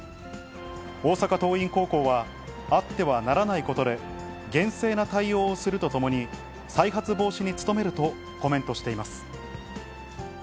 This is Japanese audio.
大阪桐蔭高校は、あってはならないことで、厳正な対応をするとともに、再発防止に努めるとコメントしています。